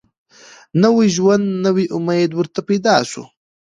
نوی ژوند نوی امید ورته پیدا سو